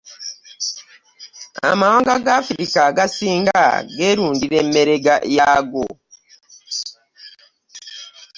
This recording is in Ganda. Amawanga ga Africa agasinga ge lundira emmere gago.